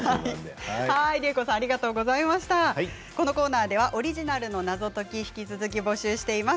このコーナーではオリジナルの謎解き引き続き募集しています。